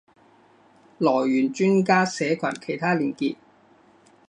来源专家社群其他连结